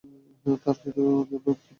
তার খ্যাতির জন্য অন্তত।